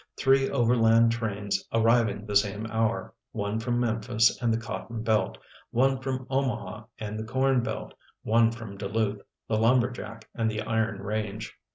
Three overland trains arriving the same hour, one from Memphis and the cotton belt, one from Omaha and the corn belt, one from Duluth, the lumberjack and the iron range.